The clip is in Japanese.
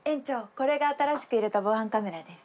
これが新しく入れた防犯カメラです。